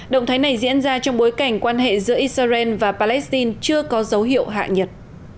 động thái này diễn ra trong bối cảnh quan hệ giữa israel và palestine chưa có dấu hiệu hạ nhiệt